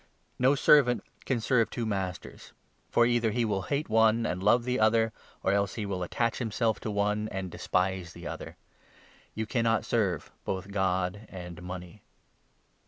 No servant can 13 serve two masters, for, either he will hate one and love the other, or else he will attach himself to one and despise the other. You cannot serve both God and Money."